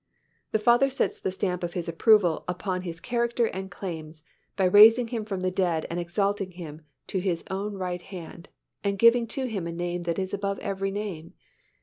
The Father sets the stamp of His approval upon His character and claims by raising Him from the dead and exalting Him to His own right hand and giving to Him a name that is above every name.